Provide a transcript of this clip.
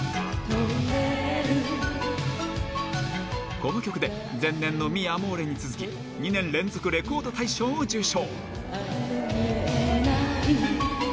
この曲で、前年のミ・アモーレに続き、２年連続レコード大賞を受賞。